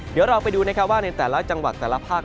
เดี๋ยวเราไปดูนะคะว่าในแต่ละจังหวัดตลอดภักดิ์